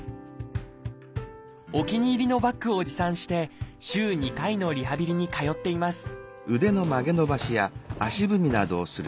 お気に入りのバッグを持参して週２回のリハビリに通っています